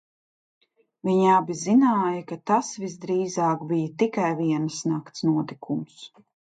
Viņi abi zināja, ka tas visdrīzāk bija tikai vienas nakts notikums.